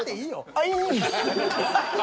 アイーン！